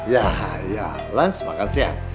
ya ya lans makan siang